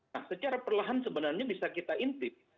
nah secara perlahan sebenarnya bisa kita intip